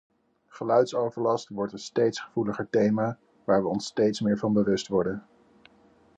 Geluidsoverlast wordt een steeds gevoeliger thema, waar we ons steeds meer van bewust worden.